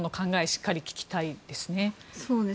しっかり聞きたいですね。